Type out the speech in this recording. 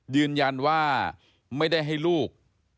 ยืนยันว่าไม่ได้ให้ลูก